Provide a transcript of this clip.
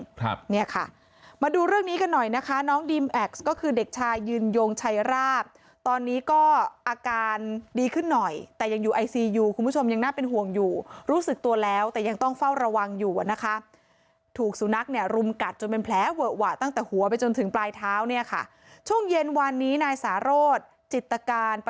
ครับเนี่ยค่ะมาดูเรื่องนี้กันหน่อยนะคะน้องดีมแอ็กซ์ก็คือเด็กชายยืนยงชัยราบตอนนี้ก็อาการดีขึ้นหน่อยแต่ยังอยู่ไอซียูคุณผู้ชมยังน่าเป็นห่วงอยู่รู้สึกตัวแล้วแต่ยังต้องเฝ้าระวังอยู่อ่ะนะคะถูกสุนัขเนี่ยรุมกัดจนเป็นแผลเวอะหวะตั้งแต่หัวไปจนถึงปลายเท้าเนี่ยค่ะช่วงเย็นวันนี้นายสารจิต